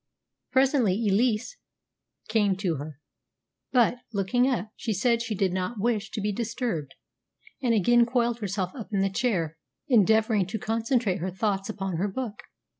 Presently Elise came to her; but, looking up, she said she did not wish to be disturbed, and again coiled herself up in the chair, endeavouring to concentrate her thoughts upon her book.